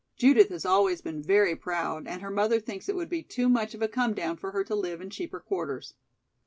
Judith has always been very proud and her mother thinks it would be too much of a come down for her to live in cheaper quarters."